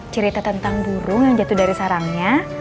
cerita tentang burung yang jatuh dari sarangnya